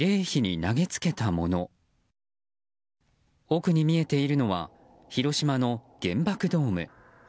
奥に見えているのは広島の原爆ドーム。